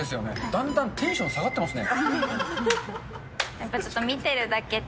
だんだんテンション下がってますね。